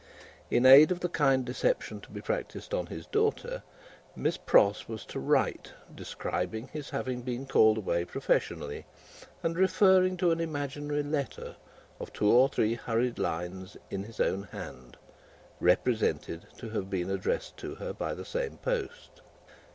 In aid of the kind deception to be practised on his daughter, Miss Pross was to write, describing his having been called away professionally, and referring to an imaginary letter of two or three hurried lines in his own hand, represented to have been addressed to her by the same post.